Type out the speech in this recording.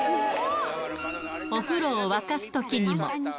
お風呂を沸かすときにも。